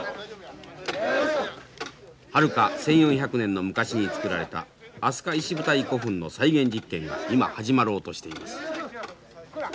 はるか１，４００年の昔に造られた飛鳥石舞台古墳の再現実験が今始まろうとしています。